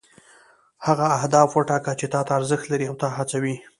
هغه اهداف وټاکه چې تا ته ارزښت لري او تا هڅوي.